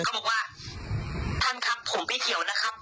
บอกว่าท่านครับผมไม่เกี่ยวนะครับ